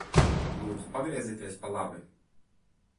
Lūdzu pagriezieties pa labi.